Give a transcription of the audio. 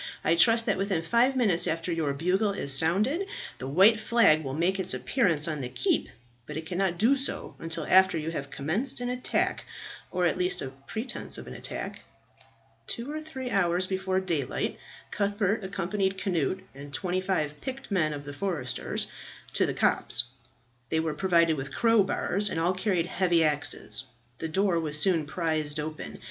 "I trust that within five minutes after your bugle has sounded, the white flag will make its appearance on the keep, but it cannot do so until after you have commenced an attack, or at least a pretence of an attack." Two or three hours before daylight Cuthbert accompanied Cnut and twenty five picked men of the foresters to the copse. They were provided with crowbars, and all carried heavy axes. The door was soon prised open.